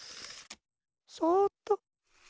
そっと。